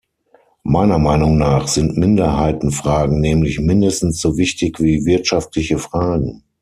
Meiner Meinung nach sind Minderheitenfragen nämlich mindestens so wichtig wie wirtschaftliche Fragen.